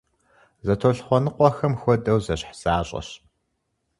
ЗэтӀолъхуэныкъуэхэм хуэдэу зэщхь защӏэщ.